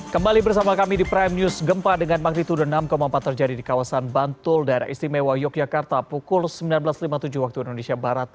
kembali bersama kami di prime news gempa dengan magnitude enam empat terjadi di kawasan bantul daerah istimewa yogyakarta pukul sembilan belas lima puluh tujuh waktu indonesia barat